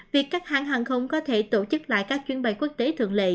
việc các hãng hàng không có thể tổ chức lại các chuyến bay quốc tế thường lệ